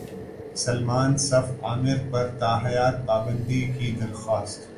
سلمان صف عامر پر تاحیات پابندی کی درخواست